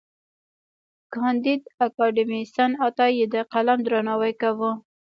کانديد اکاډميسن عطايي د قلم درناوی کاوه.